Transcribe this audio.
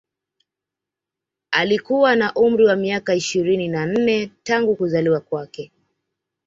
Alikuwa na umri wa miaka ishirini na nne tangu kuzaliwa kwake